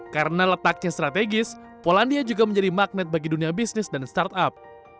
karena letaknya strategis polandia juga menjadi magnet bagi dunia bisnis dan startup